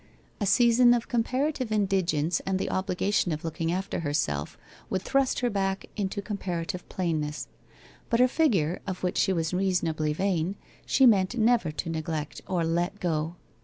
A season of comparative in digence and the obligation of looking after herself would thrust her back into comparative plainness. But her figure, of which she was reasonably vain, she meant never to neglect or ' let go.'